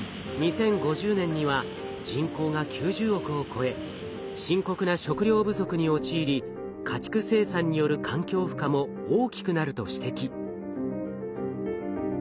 ２０５０年には人口が９０億を超え深刻な食糧不足に陥り家畜生産による環境負荷も大きくなると指摘。